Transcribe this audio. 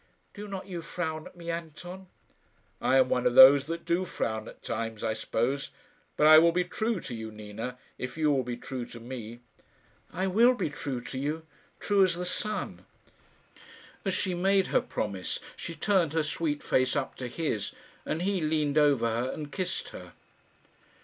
"Do not you frown at me, Anton." "I am one of those that do frown at times, I suppose; but I will be true to you, Nina, if you will be true to me." "I will be true to you true as the sun." As she made her promise she turned her sweet face up to his, and he leaned over her, and kissed her.